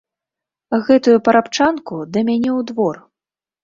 Гэтую парабчанку да мяне ў двор!